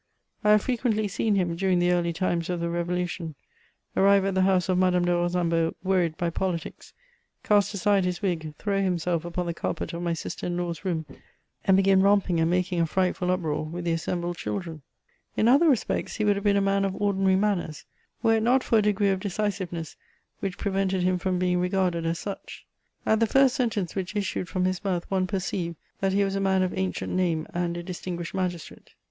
I have frequently seen him, during the early times of the Revolution, arrive at the house of Madame de Rosambo, worried by politics — cast aside his wig, throw himself upon the carpet of my sister in law's room, and begin romping and making a frightful uproar with the assembled children. In other respects he would have been a man of ordinary manners, were it not for a degree of decisiveness which prevented him from being regarded as such. At the first sentence which issued from his mouth one perceived that he was a man of ancient name and a distinguished magistrate.